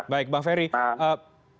baik bang ferry